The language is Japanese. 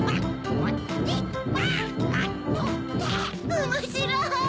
おもしろい！